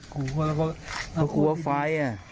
กลัวแล้วก็กลัวไฟอ่ะ